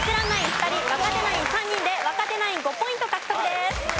２人若手ナイン３人で若手ナイン５ポイント獲得です。